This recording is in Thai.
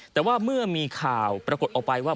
แต่ว่าเมื่อมีข่าวปรากฏออกไปว่า